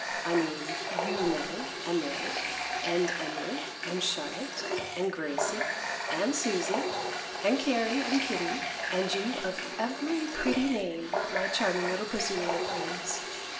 I mean you, Nellie, and Mary, and Emily, and Charlotte, and Gracie, and Susie, and Carry, and Kitty, and you of every pretty name, my charming little Pussy Willow friends!